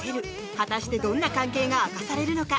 果たしてどんな関係が明かされるのか。